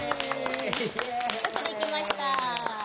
よくできました。